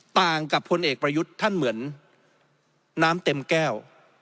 ต่างกับพลเอกประยุทธ์ท่านเหมือนน้ำเต็มแก้ว